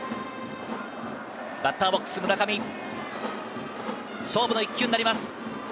バッターボックス・村上、勝負の１球になります。